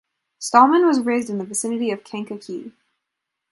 Stallman was raised in the vicinity of Kankakee.